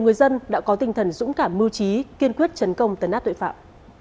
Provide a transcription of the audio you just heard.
người dân đã có tinh thần dũng cảm mưu trí kiên quyết chấn công tấn nát tội phạm